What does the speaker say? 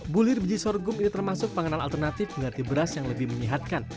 bulir biji sorghum ini termasuk pengenalan alternatif mengganti beras yang lebih menyehatkan